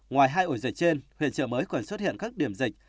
ngoài hai ổ dịch trên huyện chợ mới còn xuất hiện các điểm dịch